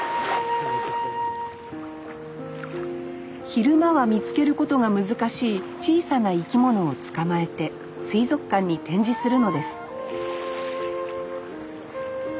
昼間は見つけることが難しい小さな生き物を捕まえて水族館に展示するのです